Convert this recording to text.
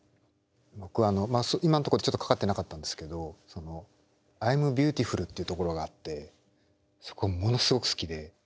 僕あの今んとこちょっとかかってなかったんですけど「アイムビューティフル」っていうところがあってそこものすごく好きで。